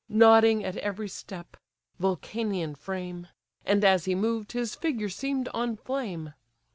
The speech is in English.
Nodding at every step: (Vulcanian frame!) And as he moved, his figure seem'd on flame.